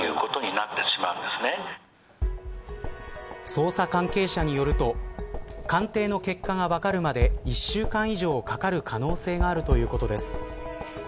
捜査関係者によると鑑定の結果が分かるまで１週間以上かかる可能性があるということです。